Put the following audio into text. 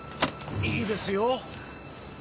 いいですよ。